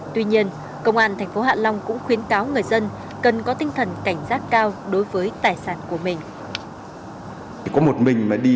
tuy nhiên công an tp hạ long cũng khuyến cáo người dân cần có tinh thần cảnh giác cao đối với tài sản của mình